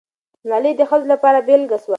ملالۍ د ښځو لپاره بېلګه سوه.